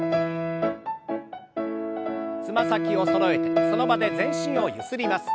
つま先をそろえてその場で全身をゆすります。